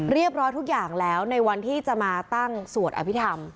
ทุกอย่างแล้วในวันที่จะมาตั้งสวดอภิษฐรรม